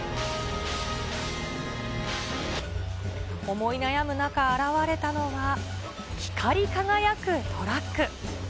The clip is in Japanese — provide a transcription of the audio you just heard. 思い悩む中、現れたのは、光り輝くトラック。